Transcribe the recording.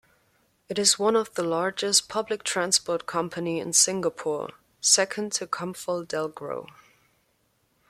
It is one of the largest public-transport company in Singapore, second to ComfortDelGro.